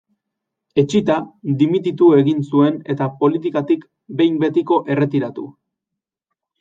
Etsita, dimititu egin zuen eta politikatik behin betiko erretiratu.